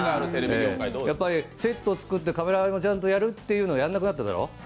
セット作ってカメラ割りをちゃんとやるっていうのをやらなくなっただろ。